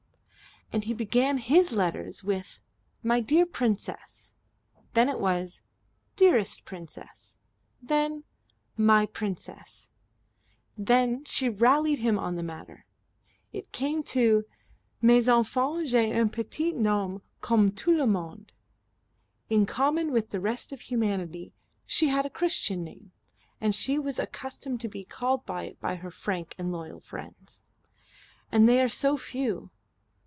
And he began his letters with "My dear Princess;" then it was "Dearest Princess;" then "My Princess." Then she rallied him on the matter. It came to "Mais enfin j'ai un petit nom comme tout le monde." In common with the rest of humanity she had a Christian name and she was accustomed to be called by it by her frank and loyal friends. "And they are so few."